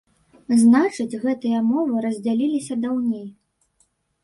Значыць, гэтыя мовы раздзяліліся даўней.